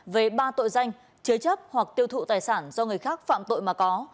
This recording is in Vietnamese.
về ba tội danh chứa chấp hoặc tiêu thụ tài sản do người khác phạm tội mà có